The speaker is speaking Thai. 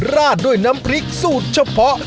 ราดด้วยน้ำพริกสูตรเฉพาะ